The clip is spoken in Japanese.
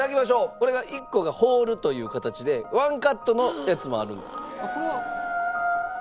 これが１個がホールという形でワンカットのやつもある。